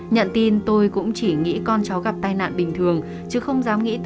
nhận tin tôi cũng chỉ nghĩ con cháu gặp tai nạn bình thường